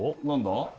何だ？